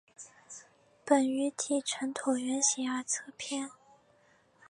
本鱼体呈椭圆形而侧扁。